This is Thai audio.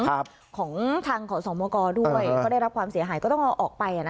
ของทางขอสมกด้วยเขาได้รับความเสียหายก็ต้องเอาออกไป